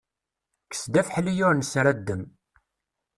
Kkes-d afeḥli ur nesraddem.